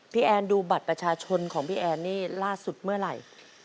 แอนดูบัตรประชาชนของพี่แอนนี่ล่าสุดเมื่อไหร่